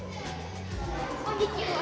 こんにちは！